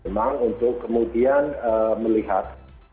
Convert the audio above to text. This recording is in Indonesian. memang untuk kemudian melihat